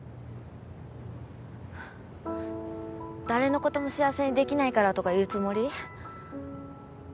誰のことも幸せにできないからとか言うつもり？